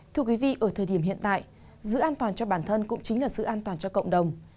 thưa quý vị ở thời điểm hiện tại giữ an toàn cho bản thân cũng chính là sự an toàn cho cộng đồng